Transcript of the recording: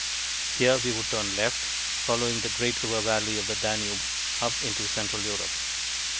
Here we would turn left, following the great river valley of the Danube up into central Europe.